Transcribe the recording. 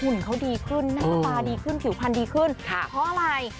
เขาดีขึ้นหน้าตาดีขึ้นผิวพันธ์ดีขึ้นค่ะเพราะอะไร